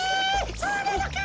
そうなのか！